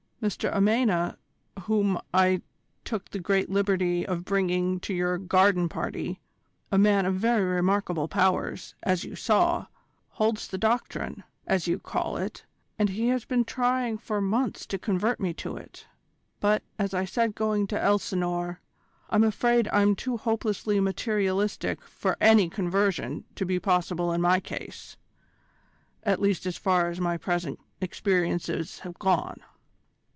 Mr Amena, whom I took the great liberty of bringing to your garden party, a man of very remarkable powers, as you saw, holds the Doctrine, as you call it, and he has been trying for months to convert me to it; but, as I said going to Elsinore, I'm afraid I am too hopelessly materialistic for any conversion to be possible in my case, at least as far as my present experiences have gone."